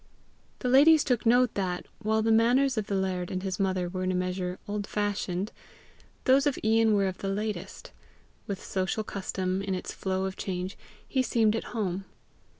The ladies took note that, while the manners of the laird and his mother were in a measure old fashioned, those of Ian were of the latest: with social custom, in its flow of change, he seemed at home.